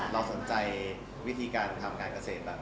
เราสนใจวิธีการทำการเกษตรแบบ